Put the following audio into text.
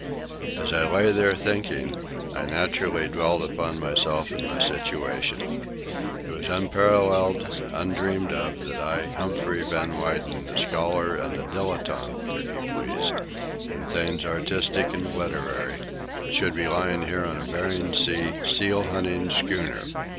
As I lay there thinking, I naturally dwelt upon myself and my situation. It was unparalleled, undreamed of, that I, Humphrey Van Weyden, a scholar and a dilettante, if you please, in things artistic and literary, should be lying here on a Bering Sea seal hunting schooner.